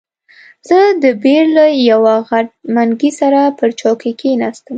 زه د بیر له یوه غټ منګي سره پر چوکۍ کښېناستم.